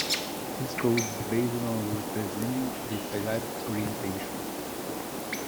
This code is based on representing the syllabics orientation.